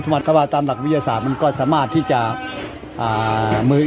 สมทภาพตามหลักวิยสาธิบาศมันก็สามารถที่จะอ่ามือ